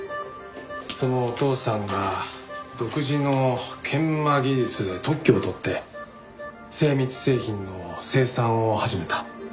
そのお父さんが独自の研磨技術で特許を取って精密製品の生産を始めた。